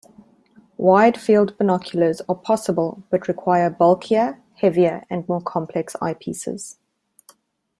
Wide-field binoculars are possible, but require bulkier, heavier, and more complex eyepieces.